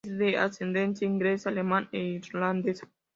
Es de ascendencia inglesa, alemana e irlandesa.